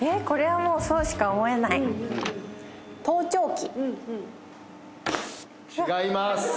これはもうそうしか思えない違います